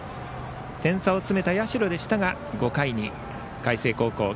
点差を詰めた社でしたが５回に海星高校の